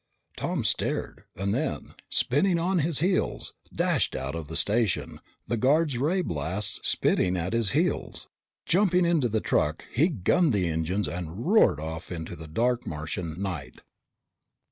Tom stared, and then, spinning on his heels, dashed out of the station, the guard's ray blasts spitting at his heels. Jumping into the truck, he gunned the jets and roared off into the dark Martian night.